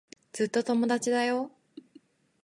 ずっと友達だよ。